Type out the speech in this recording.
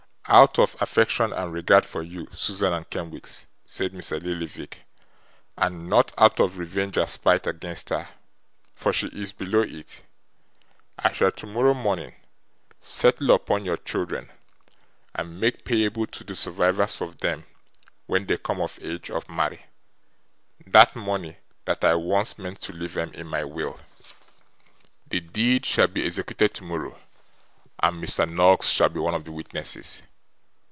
'Out of affection and regard for you, Susan and Kenwigs,' said Mr Lillyvick, 'and not out of revenge and spite against her, for she is below it, I shall, tomorrow morning, settle upon your children, and make payable to the survivors of them when they come of age of marry, that money that I once meant to leave 'em in my will. The deed shall be executed tomorrow, and Mr. Noggs shall be one of the witnesses.